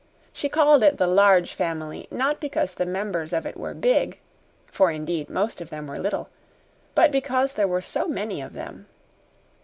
She called it the Large Family not because the members of it were big for, indeed, most of them were little but because there were so many of them.